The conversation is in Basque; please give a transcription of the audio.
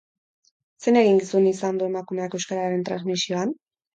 Zein eginkizun izan du emakumeak euskararen transmisioan?